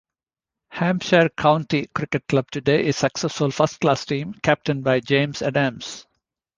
Hampshire County Cricket Club today is a successful first-class team, captained by James Adams.